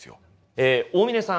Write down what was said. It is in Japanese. え大嶺さん。